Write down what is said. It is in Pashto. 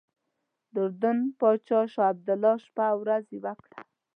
د اردن پاچا شاه عبدالله شپه او ورځ یوه کړه.